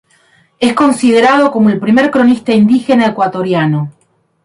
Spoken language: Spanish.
Es considerado como el primer cronista indígena ecuatoriano.